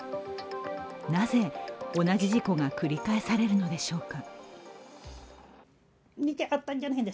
なぜ、同じ事故が繰り返されるのでしょうか。